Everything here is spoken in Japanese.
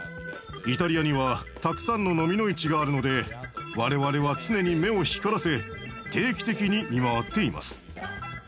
イタリアにはたくさんのノミの市があるので我々は常に目を光らせ定期的に見回っています。